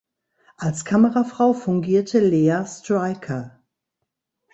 Als Kamerafrau fungierte Leah Striker.